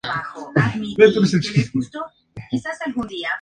Pepper's Lonely Hearts Club Band" y "Magical Mystery Tour".